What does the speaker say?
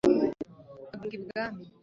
agaruka ibwami